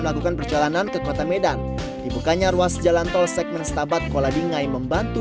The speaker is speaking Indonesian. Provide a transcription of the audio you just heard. melakukan perjalanan ke kota medan dibukanya ruas jalan tol segmen stabat kuala bingai membantu